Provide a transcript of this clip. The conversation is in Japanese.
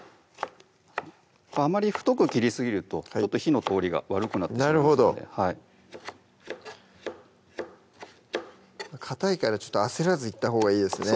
あまり太く切りすぎるとちょっと火の通りが悪くなってしまうのでかたいからちょっと焦らずいったほうがいいですね